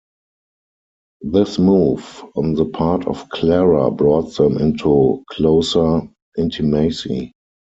This move on the part of Clara brought them into closer intimacy.